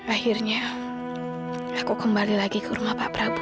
akhirnya aku kembali lagi ke rumah pak prabowo